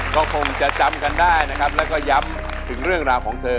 ก็คงจะจำกันได้นะครับแล้วก็ย้ำถึงเรื่องราวของเธอ